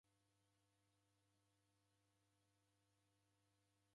Naw'eghenda sokonyi kughua mbogha